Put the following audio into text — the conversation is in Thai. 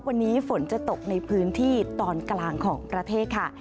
วันนี้ฝนจะตกในพื้นที่ตอนกลางของประเทศค่ะ